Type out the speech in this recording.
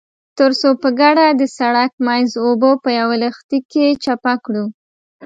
ترڅو په ګډه د سړک منځ اوبه په يوه لښتي کې چپه کړو.